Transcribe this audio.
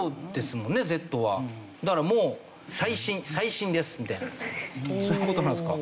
だからもう「最新です」みたいなそういう事なんですか？